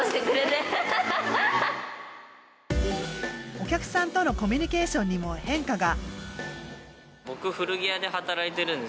お客さんとのコミュニケーションにも変化が。